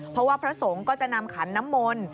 เพราะว่าพระสงฆ์ก็จะนำขันน้ำมนต์